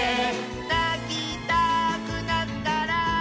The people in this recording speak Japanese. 「なきたくなったら」